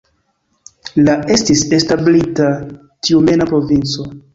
La estis establita Tjumena provinco.